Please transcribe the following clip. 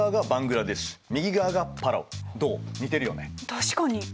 確かに。